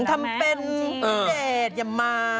ทำเป็นพิเศษอย่ามา